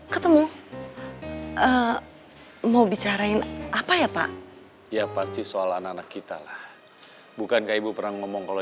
ketemu mau bicarain apa ya pak ya pasti soal anak anak kita lah bukankah ibu pernah ngomong kalau